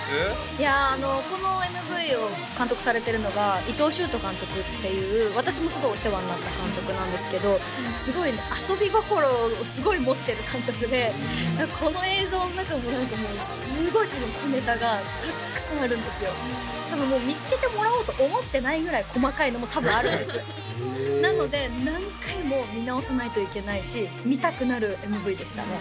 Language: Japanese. いやこのＭＶを監督されてるのが伊藤衆人監督っていう私もすごいお世話になった監督なんですけど遊び心をすごい持ってる監督でこの映像の中もすごい小ネタがたくさんあるんですよ多分もう見つけてもらおうと思ってないぐらい細かいのも多分あるんですへえなので何回も見直さないといけないし見たくなるＭＶでしたね